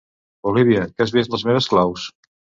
Olivia, que has vist les meves claus?